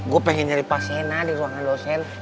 gue pengen nyari pasina di ruangan dosen